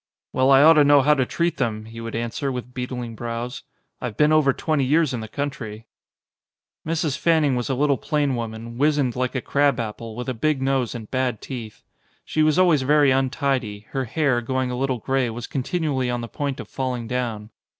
"Well, I ought to know how to treat them," he would answer with beetling brows, "I've been over twenty years in the country." Mrs. Fanning was a little plain woman, wizened like a crab apple, with a big nose and bad teeth. She was always very untidy, her hair, going a lit tle grey, was continually on the point of falling down.